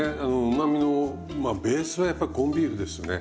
うまみのベースはやっぱりコンビーフですね。